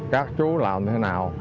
các chú làm thế nào